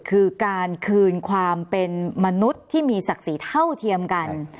คือการคืนความเป็นมนุษย์ที่มีศักดิ์ศรีเท่าเทียมกัน